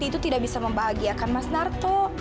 itu tidak bisa membahagiakan mas narto